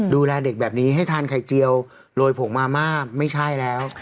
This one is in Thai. ดูแลเด็กแบบนี้ให้ทานไข่เจียวโรยผงมาม่าไม่ใช่แล้ว